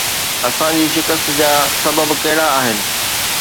اسان جي شڪست جا سبب ڪهڙا آهن؟